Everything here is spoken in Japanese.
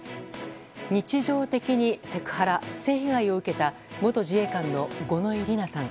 日常的にセクハラ、性被害を受けた元自衛官の五ノ井里奈さん。